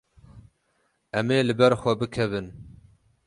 Em ê li ber xwe bikevin.